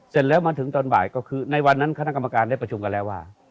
แล้วใหม่ก็มาถึงตอนบ่ายในวันนั้นคณะกรรมการได้ประชุมกันแล้วว่า